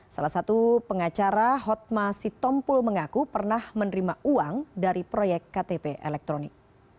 salah satu pengacara hotma sitompul mengaku pernah menerima uang dari proyek ktp elektronik